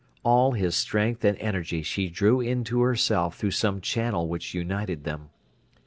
All his strength and energy she drew into herself through some channel which united them.